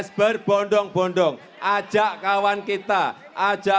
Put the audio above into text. sebelum doa saya tanya